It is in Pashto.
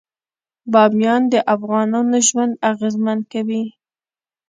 بامیان د افغانانو ژوند اغېزمن کوي.